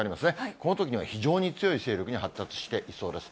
このときには非常に強い勢力に発達していそうです。